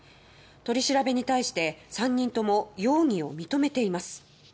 取り調べに対して３人とも容疑を認めています。